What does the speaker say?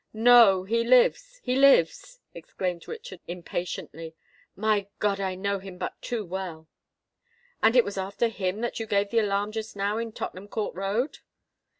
"No—he lives, he lives," exclaimed Richard, impatiently. "My God! I know him but too well." "And it was after him that you gave the alarm just now in Tottenham Court Road?"